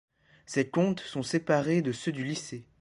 Ses comptes sont séparés de ceux du lycée.